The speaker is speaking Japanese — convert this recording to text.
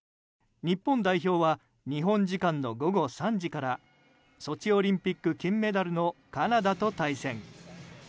日本代表は日本時間の午後３時からソチオリンピック金メダルのカナダと対戦。